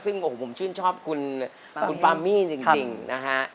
ซึ่งโอ้โหผมชื่นชอบคุณปามี่จริงนะฮะ